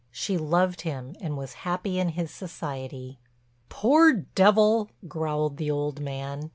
She loved him and was happy in his society. "Poor devil!" growled the old man.